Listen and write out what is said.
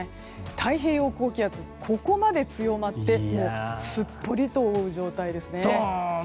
太平洋高気圧、ここまで強まってすっぽりと覆う状態ですね。